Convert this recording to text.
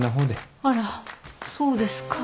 あらそうですか。